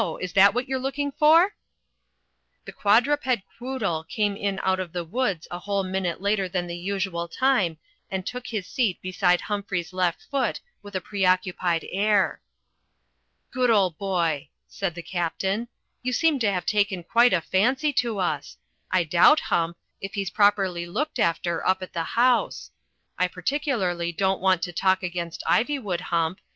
Is that what you were looking for?" The quadruped Quoodle came in out of the woods a whole minute later than the usual time and took his seat beside Humphrey's left foot with a preoccupied air. *'Good old boy," said the Captain. You seem to have taken quite a fancy to us. I doubt, Hump, if he's properly looked after up at the house. I particu larly don't want to talk against Ivywood, Hump.